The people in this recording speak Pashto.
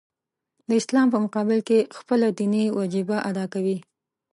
د اسلام په مقابل کې خپله دیني وجیبه ادا کوي.